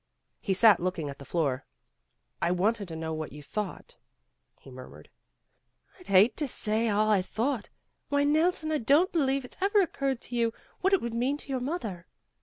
He sat looking at the floor. "I wanted to know what you thought," he murmured. "I'd hate to say all I thought. Why, Nelson, I don 't believe it 's ever occurred to you what it would mean to your mother."